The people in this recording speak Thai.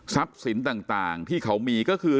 ทรัพย์สินต่างที่เขามีก็คือ